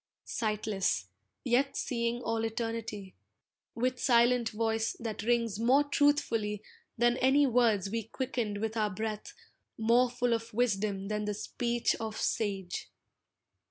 Sightless, yet seeing all Eternity, With silent voice that rings more truthfully Than any words we quickened with our breath More full of wisdom than the speech of sage.